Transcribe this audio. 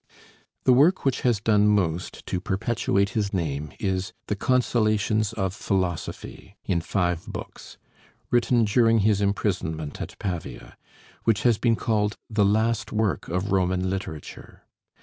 The work which has done most to perpetuate his name is the 'Consolations of Philosophy,' in five books, written during his imprisonment at Pavia, which has been called "the last work of Roman literature."